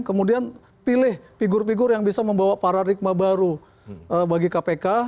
kemudian pilih figur figur yang bisa membawa paradigma baru bagi kpk